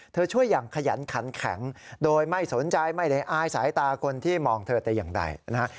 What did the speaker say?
ช่วยอย่างขยันขันแข็งโดยไม่สนใจไม่ได้อายสายตาคนที่มองเธอแต่อย่างใดนะฮะ